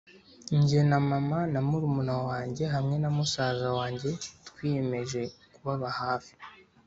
“Jye na mama na murumuna wanjye hamwe na musaza wanjye twiyemeje kubaba hafi